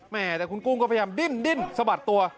แต่คุณกุ้งก็พยายามดิ้นสะบัดตัว